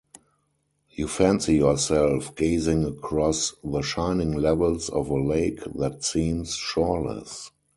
You fancy yourself gazing across the shining levels of a lake that seems shoreless.